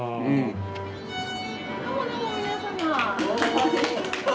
どうもどうも皆様。